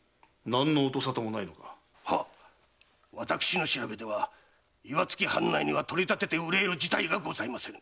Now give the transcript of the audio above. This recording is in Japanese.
はっ私の調べでは岩槻藩内には取り立てて憂える事態がございませぬ。